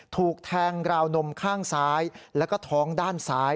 ถูกแทงราวนมข้างซ้ายแล้วก็ท้องด้านซ้าย